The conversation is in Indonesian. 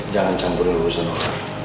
jangan campurin urusan orang lain